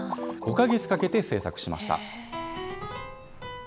５か月かけて制作しました。